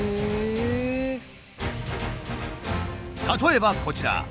例えばこちら。